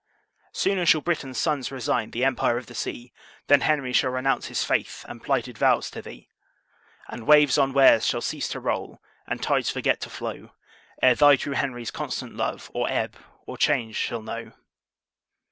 Sooner shall Britain's sons resign The empire of the sea; Than Henry shall renounce his faith, AND PLIGHTED VOWS, TO THEE! And waves on wares shall cease to roll, And tides forget to flow; Ere thy true Henry's constant love, Or ebb, or change, shall know.